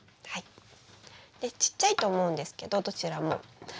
でちっちゃいと思うんですけどどちらも。